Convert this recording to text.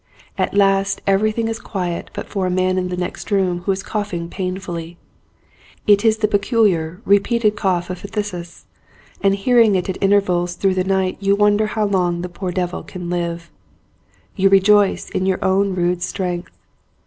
At last every thing is quiet but for a man in the next room who is coughing painfully. It is the peculiar, repeated cough of phthisis, and hearing it at intervals through the night you wonder how long the poor devil can live. You rejoice in your own rude strength.